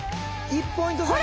１ポイント差。